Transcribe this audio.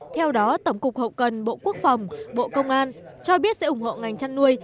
theo đó tổng cục hậu cần bộ quốc phòng bộ công an cho biết sẽ ủng hộ ngành chăn nuôi